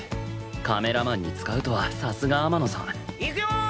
カメラマンに使うとはさすが天野さんいくよー！